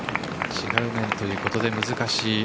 違う面ということで難しい。